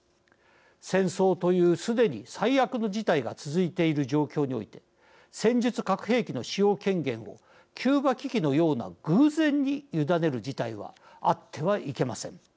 戦争という、すでに最悪の事態が続いている状況において戦術核兵器の使用権限をキューバ危機のような偶然にゆだねる事態はあってはいけません。